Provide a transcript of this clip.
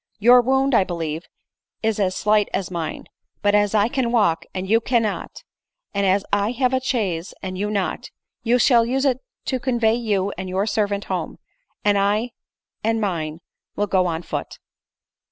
You* wound, I believe, is as slight as mine ; but as I can walk, and you cannot, and as I have a chaise, and you not, you shall use it to convey vou and your ser vant home, and I and mine will go on foot."